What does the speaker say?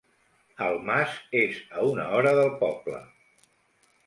El mas és a una hora del poble.